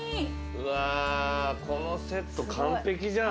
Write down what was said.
うわこのセット完璧じゃん。